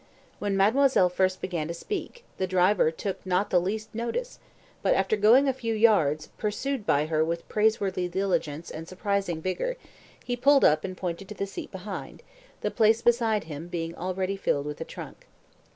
When mademoiselle first began to speak, the driver took not the least notice, but after going a few yards, pursued by her with praiseworthy diligence and surprising vigour, he pulled up and pointed to the seat behind, the place beside him being already filled by a trunk.